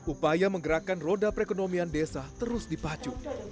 upaya menggerakkan roda perekonomian desa terus dipacu